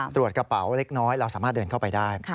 ตรวจกระเป๋าเล็กน้อยเราสามารถเดินเข้าไปได้